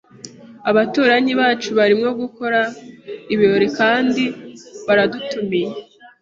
Abaturanyi bacu barimo gukora ibirori kandi baradutumiye.